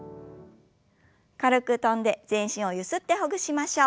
軽く跳んで全身をゆすってほぐしましょう。